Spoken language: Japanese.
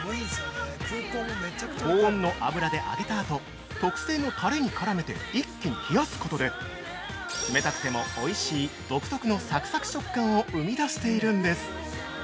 高温の油で揚げたあと、特製のタレに絡めて一気に冷やすことで冷たくてもおいしい独特のさくさく食感を生み出しているんです。